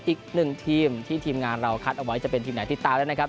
อีกหนึ่งทีมที่ทีมงานเราคัดเอาไว้จะเป็นทีมไหนติดตามแล้วนะครับ